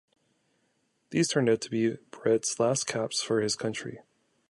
These turned out to be Barrett's last caps for his country.